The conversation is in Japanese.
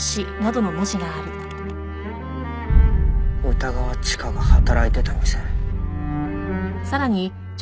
歌川チカが働いてた店。